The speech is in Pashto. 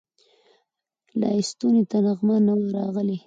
لا یې ستوني ته نغمه نه وه راغلې